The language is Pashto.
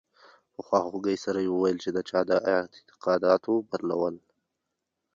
په خواخوږۍ سره یې وویل چې د چا د اعتقاداتو بدلول.